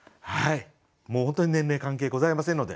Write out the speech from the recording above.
もう本当に年齢関係ございませんので。